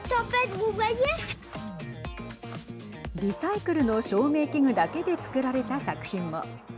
リサイクルの照明器具だけで作られた作品も。